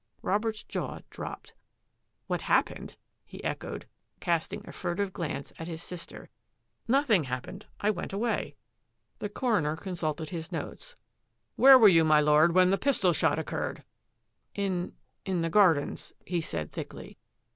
Robert's jaw dropped. "What happened?" he echoed, casting a furtive glance at his sister. " Nothing happened. I went away." 190 THAT AFFAIR AT THE MANOR The coroner consulted his notes. " Where were you, my Lord, when the pistol shot occurred?" " In — in the gardens," he said thickly.